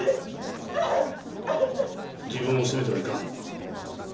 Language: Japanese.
自分を責めてはいかん。